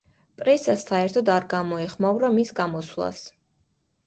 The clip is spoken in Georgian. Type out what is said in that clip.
პრესა საერთოდ არ გამოეხმაურა მის გამოსვლას.